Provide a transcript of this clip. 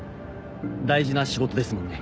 大事な仕事ですもんね。